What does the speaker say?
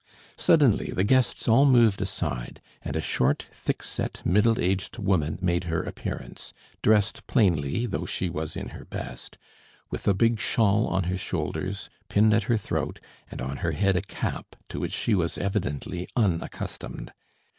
Suddenly the guests all moved aside, and a short, thick set, middle aged woman made her appearance, dressed plainly though she was in her best, with a big shawl on her shoulders, pinned at her throat, and on her head a cap to which she was evidently unaccustomed.